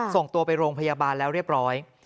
ส่งตัวไปโรงพยาบาลแล้วเรียบร้อย